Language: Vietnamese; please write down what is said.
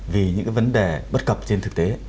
vì những vấn đề bất cập trên thực tế